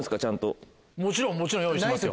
もちろんもちろん用意してますよ。